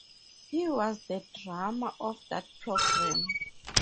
He was the drummer of that program.